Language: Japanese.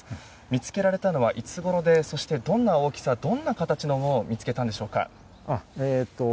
見つけられたのは、いつごろでそしてどんな大きさでどんな形のものを見つけたんでしょうか？